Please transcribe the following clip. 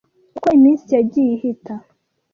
Uko iminsi yagiye ihita,